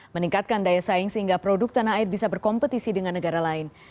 meningkatkan daya saing sehingga produk tanah air bisa berkompetisi dengan negara lain